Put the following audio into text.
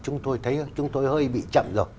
chúng tôi thấy hơi bị chậm rồi